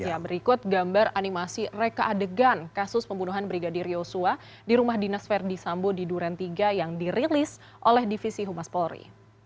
ya berikut gambar animasi reka adegan kasus pembunuhan brigadir yosua di rumah dinas verdi sambo di duren tiga yang dirilis oleh divisi humas polri